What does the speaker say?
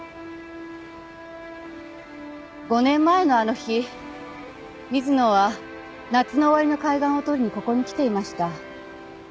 ５年前のあの日水野は夏の終わりの海岸を撮りにここに来ていました。